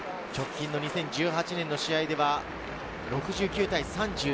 ２０１８年の試合では６９対３１。